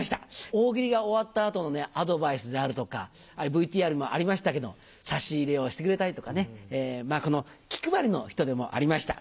大喜利が終わったあとのね、アドバイスであるとか、ＶＴＲにもありましたけれども、差し入れをしてくれたりとかね、気配りの人でもありました。